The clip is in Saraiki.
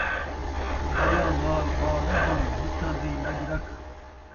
ٻالاں نال ٻال ناں بݨ، مُچھاں دی لڄ رکھ